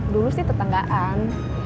dulu sih tetanggaan